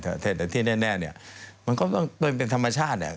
แต่ที่แน่เนี่ยมันก็ต้องเป็นธรรมชาติเนี่ย